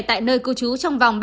tại nơi cung cấp